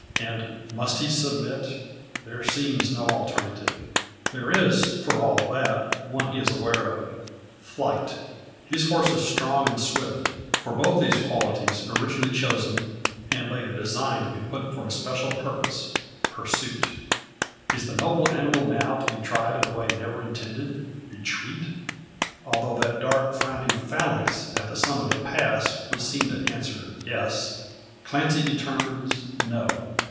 And must he submit? There seems no alternative. There is for all that; one he is aware of flight. His horse is strong and swift. For both these qualities originally chosen, and later designed to be used for a special purpose pursuit. Is the noble animal now to be tried in a way never intended retreat? Although that dark frowning phalanx, at the summit of the pass, would seem to answer "yes," Clancy determines "no."